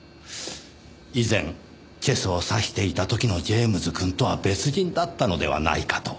以前チェスを指していた時のジェームズくんとは別人だったのではないかと。